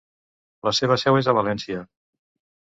La seva seu és a València.